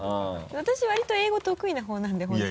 私割と英語得意な方なんで本当に。